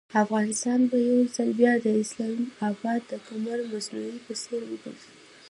افغانستان به یو ځل بیا د اسلام اباد د قمر مصنوعي په څېر وګرځي.